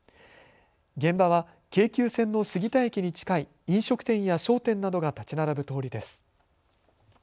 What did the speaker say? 現場は京急線の杉田駅に近い飲食店や商店などが建ち並ぶ通りです。